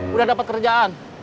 udah dapet kerjaan